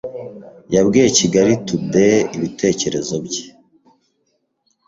yabwiye Kigali Taday ibitekerezo bye